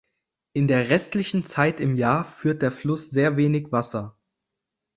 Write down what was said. In der restlichen Zeit im Jahr führt der Fluss sehr wenig Wasser.